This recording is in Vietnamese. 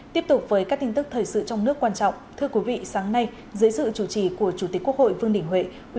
tiếp tục với các tin tức thời sự trong nước quan trọng thưa quý vị sáng nay dưới sự chủ trì của chủ tịch quốc hội vương đình huệ